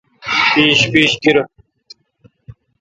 پِیش پیش گیرہ۔